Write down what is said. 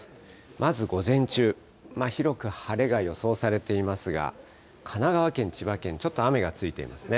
まず午前中、広く晴れが予想されていますが、神奈川県、千葉県、ちょっと雨がついていますね。